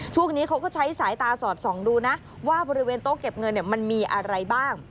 ช่วงนี้เขาก็ใช้สายตาสอดส่องดูนะว่าบริเวณโต๊ะเก็บเงินมันมีอะไรบ้าง